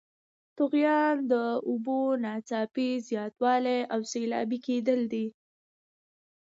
طغیان د اوبو ناڅاپي زیاتوالی او سیلابي کیدل دي.